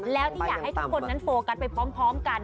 แล้วที่อยากให้ทุกคนนั้นโฟกัสไปพร้อมกัน